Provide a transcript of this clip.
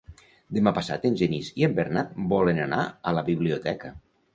Demà passat en Genís i en Bernat volen anar a la biblioteca.